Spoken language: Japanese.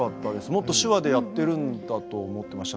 もっと手話でやってるんだと思ってました。